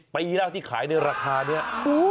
ปีแล้วที่ขายในราคานี้